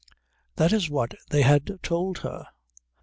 That is what they had told her.